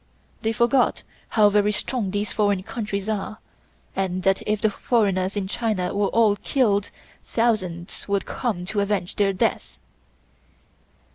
They forgot how very strong these foreign countries are, and that if the foreigners in China were all killed, thousands would come to avenge their death.